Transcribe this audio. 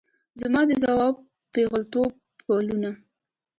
زما د ځوان پیغلتوب پلونه